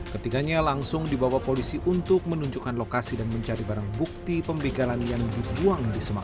ketiganya langsung dibawa polisi untuk menunjukkan lokasi dan mencari barang bukti pembegalan yang dibuang di semarang